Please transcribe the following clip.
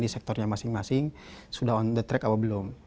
di sektornya masing masing sudah on the track atau belum